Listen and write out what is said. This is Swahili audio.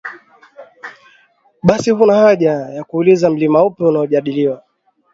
basi huna haja ya kuuliza Mlima upi unaojadiliwa